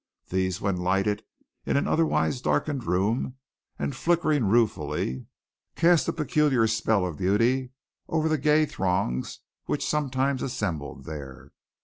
These when lighted in an otherwise darkened room and flickering ruefully, cast a peculiar spell of beauty over the gay throngs which sometimes assembled here.